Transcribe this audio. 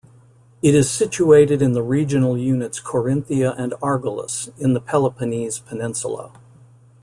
It is situated in the regional units Corinthia and Argolis, in the Peloponnese peninsula.